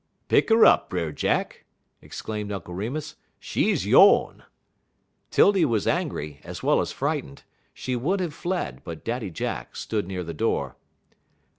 "Pick 'er up, Brer Jack," exclaimed Uncle Remus; "she's yone." 'Tildy was angry as well as frightened. She would have fled, but Daddy Jack stood near the door.